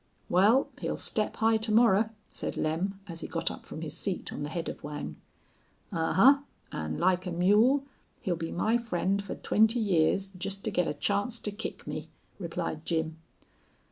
"Wal, he'll step high to morrer," said Lem, as he got up from his seat on the head of Whang. "Ahuh! An', like a mule, he'll be my friend fer twenty years jest to get a chance to kick me." replied Jim.